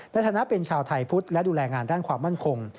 ในฐานะเป็นชาวไทยพุทธและดูแลงานด้านความมั่นคง